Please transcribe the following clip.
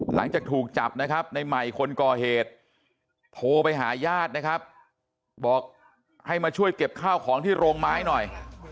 หลังจากถูกจับนะครับในใหม่คนก่อเหตุโทรไปหาญาตินะครับบอกให้มาช่วยเก็บข้าวของที่โรงไม้หน่อย